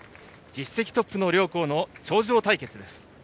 実績トップの両校の頂上対決です。